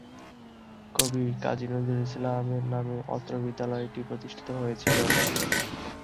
কবি কাজী নজরুল ইসলামের নামে অত্র বিদ্যালয়টি প্রতিষ্ঠিত হয়েছিলো।